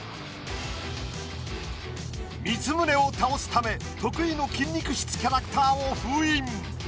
光宗を倒すため得意の筋肉質キャラクターを封印。